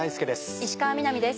石川みなみです。